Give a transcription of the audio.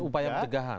itu upaya pencegahan